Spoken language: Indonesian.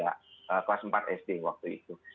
kelas empat sd waktu itu